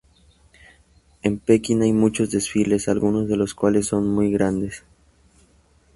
En Pekín hay muchos desfiles, algunos de los cuales son muy grandes.